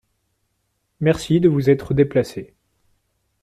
Merci de vous être déplacée.